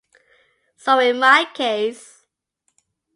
So in my case.